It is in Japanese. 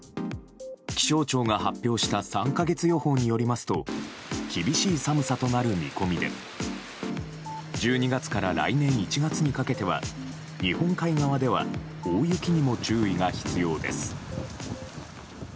気象庁が発表した３か月予報によりますと厳しい寒さとなる見込みで１２月から来年１月にかけては日本海側では大雪にも注意が必要です。